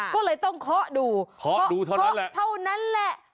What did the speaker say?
ก็เลยต้องเคาะดูเคาะเท่านั้นแหละ